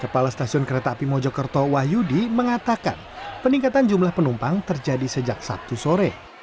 kepala stasiun kereta api mojokerto wahyudi mengatakan peningkatan jumlah penumpang terjadi sejak sabtu sore